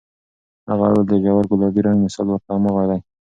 هغه وویل، د ژور ګلابي رنګ مثال ورته هماغه دی.